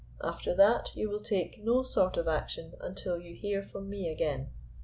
After that you will take no sort of action until you hear from me again.